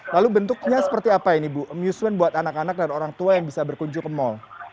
lalu bentuknya seperti apa ini bu amusement buat anak anak dan orang tua yang bisa berkunjung ke mall